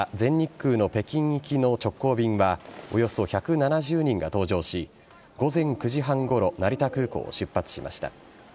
きょう再開された全日空の北京行きの直行便は、およそ１７０人が搭乗し、午前９時半ごろ、成田空港を出発しました。